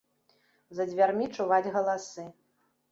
За дзвярмі чуваць галасы.